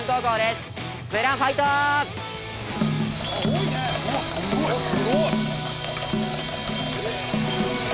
すごい！